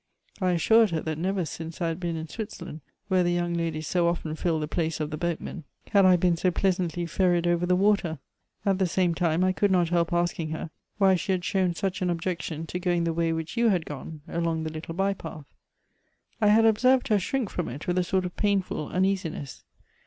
I assured her that never since I had been in Switzerland, where the young ladies so often fill the place of the boatmen, had I been so pleasantly ferried over the water. At the same time I could not help asking her why she had shown such an objection to going the way which you had gone, along the little bye path. I had observed her shrink from it with a sort of painful uneasiness.